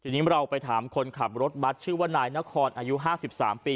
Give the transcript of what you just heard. ทีนี้เราไปถามคนขับรถบัตรชื่อว่านายนครอายุ๕๓ปี